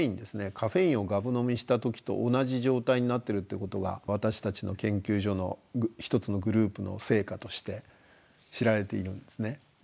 カフェインをがぶ飲みした時と同じ状態になってるっていうことが私たちの研究所の一つのグループの成果として知られているんですね。